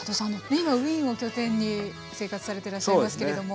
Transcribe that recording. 今ウィーンを拠点に生活されてらっしゃいますけれども。